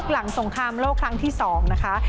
หลังสงครามโลกครั้งที่๒นะคะ